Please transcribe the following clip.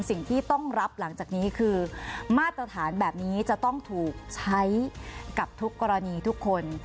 สิ่งที่ต้องรับหลังจากนี้คือมาตรฐานแบบนี้จะต้องถูกใช้กับทุกกรณีทุกคน